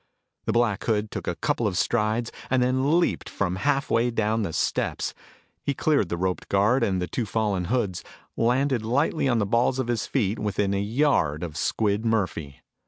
The Black Hood took a couple of strides and then leaped from halfway down the steps. He cleared the roped guard and the two fallen hoods, landed lightly on the balls of his feet within a yard of Squid Murphy.